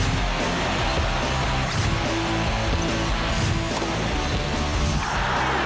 นี่คือ๑นาทีมีเฮ